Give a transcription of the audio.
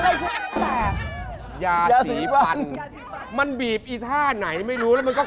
อะไรผ้าแผ่ยาสีฟันมันบีบอีท่าไหนไม่รู้แล้วมันก็คง